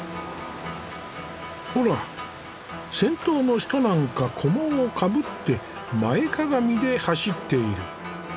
ほら先頭の人なんか菰をかぶって前かがみで走っている。